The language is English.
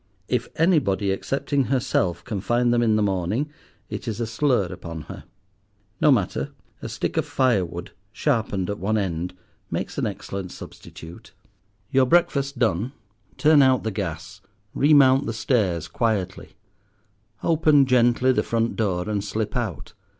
If anybody excepting herself can find them in the morning, it is a slur upon her. No matter, a stick of firewood, sharpened at one end, makes an excellent substitute. Your breakfast done, turn out the gas, remount the stairs quietly, open gently the front door and slip out.